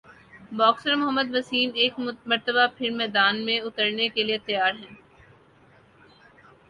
boxer Muhammad Waseem ایک مرتبہ پھر میدان میں اترنےکیلئے تیار ہیں